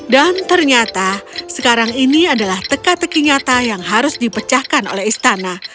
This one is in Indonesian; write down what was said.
dan ternyata sekarang ini adalah teka teki nyata yang harus dipecahkan oleh istana